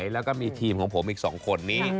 แล้วก็มีทีมของผมอีก๒คนนี้